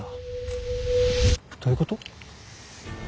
どういうこと？